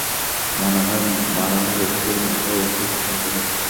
মনে হয়, মারানের অফিসের মেয়েটা ওকে পছন্দ করে।